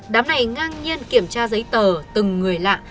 đám này ngang nhiên kiểm tra giấy tờ từng người lạ